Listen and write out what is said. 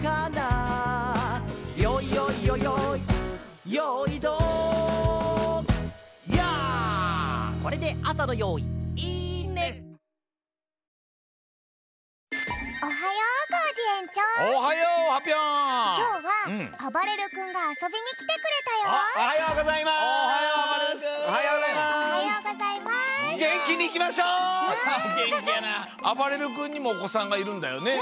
あばれる君にもおこさんがいるんだよね。